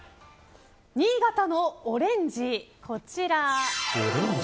新潟のオレンジ、こちら。